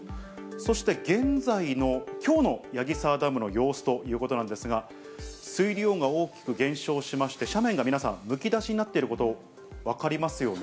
そして現在の、きょうの矢木沢ダムの様子ということなんですが、水量が大きく減少しまして、斜面が皆さん、むき出しになってること分かりますよね。